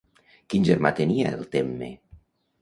Quin germà tenia en Temme?